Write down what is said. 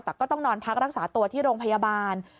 แต่ก็ต้องนอนพักรักษาตัวที่โรงพยาบาล